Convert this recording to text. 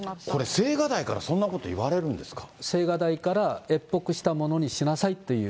これ、青瓦台からそんなこと言われるんですか。